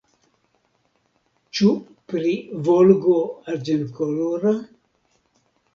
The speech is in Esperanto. Ĉu pri Volgo arĝentkolora?